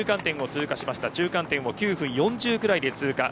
中間点を９分４０ぐらいで通過。